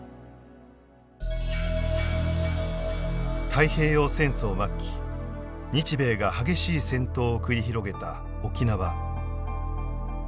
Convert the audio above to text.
太平洋戦争末期日米が激しい戦闘を繰り広げた沖縄。